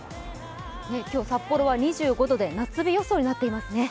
今日、札幌は２５度で夏日予想になっていますね。